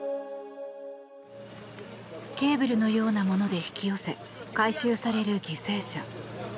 ケーブルのようなもので引き寄せ回収される犠牲者。